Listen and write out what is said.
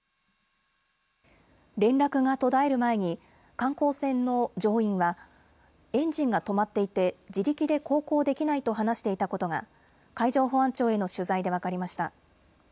連絡が途絶える前に観光船の乗員はエンジンが止まっていて自力で航行できないと話していたことが海上保安庁への取材で分かりました。